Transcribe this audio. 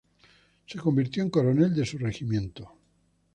Se convirtió en coronel de su regimiento.